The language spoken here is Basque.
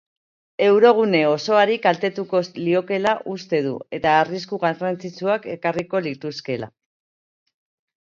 Eurogune osoari kaltetuko liokeela uste du eta arrisku garrantzitsuak ekarriko lituzkeela.